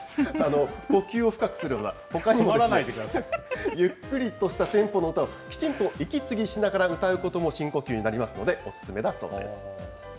呼吸を深くするのは、ほかにもゆっくりとしたテンポの歌を、きちんと息継ぎしながら歌うことも深呼吸になりますので、お勧めだそうです。